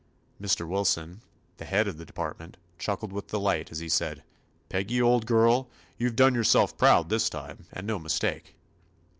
Mr. Wilson, the head of the de partment, chuckled with delight, as he said : "Peggy, old girl, you 've done yourself proud this time, and no mistake."